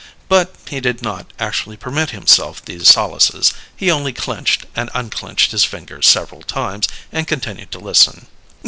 But he did not actually permit himself these solaces; he only clenched and unclenched his fingers several times, and continued to listen.